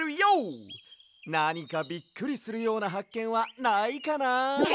なにかびっくりするようなはっけんはないかな。